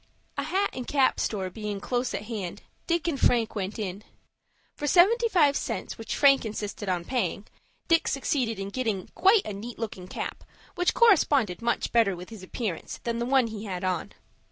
A hat and cap store being close at hand, Dick and Frank went in. For seventy five cents, which Frank insisted on paying, Dick succeeded in getting quite a neat looking cap, which corresponded much better with his appearance than the one he had on.